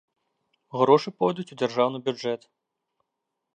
Грошы пойдуць у дзяржаўны бюджэт.